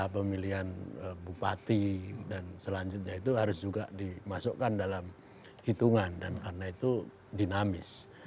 pemilihan bupati dan selanjutnya itu harus juga dimasukkan dalam hitungan dan karena itu dinamis